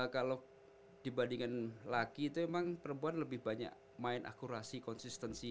kalau dibandingkan laki itu memang perempuan lebih banyak main akurasi konsistensi